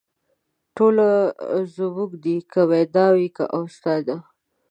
ټوله زموږ دي که ویدا که اوستا ده